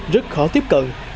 rất khó tiếp cận